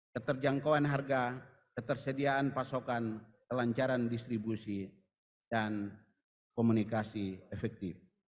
keterjangkauan harga ketersediaan pasokan kelancaran distribusi dan komunikasi efektif